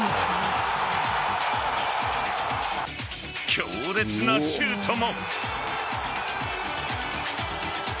強烈なシュートも。